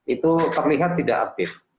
itu terlihat tidak aktif